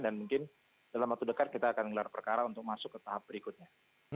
dan mungkin dalam waktu dekat kita akan mengelar perkara untuk masuk ke tahap berikutnya